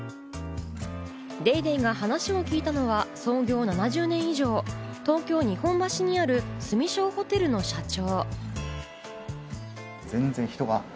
『ＤａｙＤａｙ．』が話を聞いたのは、創業７０年以上、東京・日本橋にある住庄ほてるの社長。